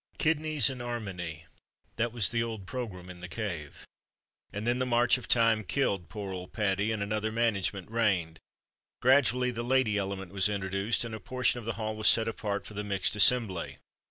"Kidneys and 'armony" that was the old programme in the "Cave." And then the march of time killed poor old Paddy, and another management reigned. Gradually the "lady element" was introduced, and a portion of the hall was set apart for the mixed assembly.